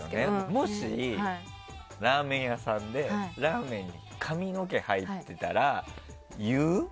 もし、ラーメン屋さんでラーメンに髪の毛入ってたら言う？